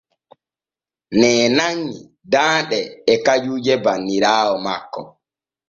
Ŋee nanŋi danɗe et kajuuje banniraaɓe makko.